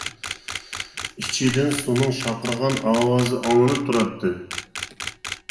ئىچىدىن سۇنىڭ شارقىرىغان ئاۋازى ئاڭلىنىپ تۇراتتى.